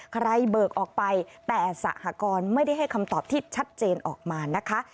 เบิกออกไปแต่สหกรณ์ไม่ได้ให้คำตอบที่ชัดเจนออกมานะคะ